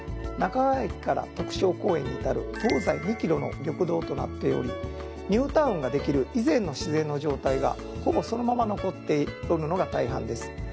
中川駅から徳生公園に至る東西２キロの緑道となっておりニュータウンができる以前の自然の状態がほぼそのまま残っておるのが大半です。